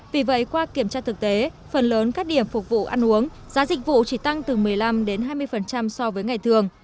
vì vậy qua kiểm tra thực tế phần lớn các điểm phục vụ ăn uống giá dịch vụ chỉ tăng từ một mươi năm hai mươi so với ngày thường